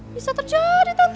bisa terjadi tante